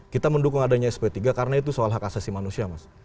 kita mendukung adanya sp tiga karena itu soal hak asasi manusia mas